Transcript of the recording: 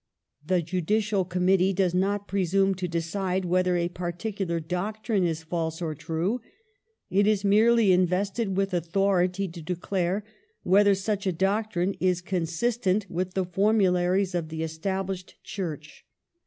The Judicial Committee does not presume to decide whether a particular doctrine is false or true ; it is merely invested with authority to declare whether such a doctrine is consistent with the formularies of the Established Church.